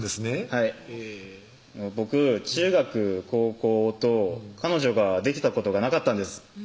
はい僕中学・高校と彼女ができたことがなかったんです